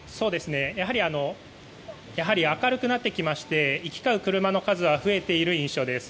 やはり明るくなってきまして行き交う車の数は増えている印象です。